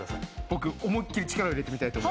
僕思いっきり力を入れてみたいと思います。